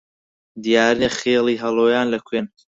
دیار نییە خێڵی هەڵۆیان لە کوێن